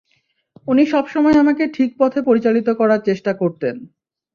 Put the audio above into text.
উনি সবসময় আমাকে ঠিক পথে পরিচালিত করার চেষ্টা করতেন।